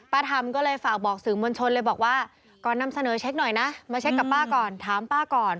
ทำก็เลยฝากบอกสื่อมวลชนเลยบอกว่าก่อนนำเสนอเช็คหน่อยนะมาเช็คกับป้าก่อนถามป้าก่อน